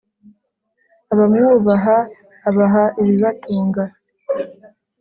abamwubaha abaha ibibatunga